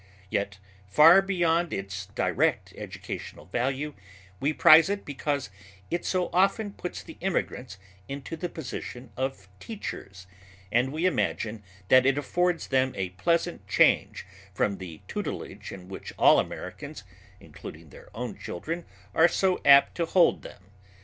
Yet far beyond its direct educational value, we prize it because it so often puts the immigrants into the position of teachers, and we imagine that it affords them a pleasant change from the tutelage in which all Americans, including their own children, are so apt to hold them.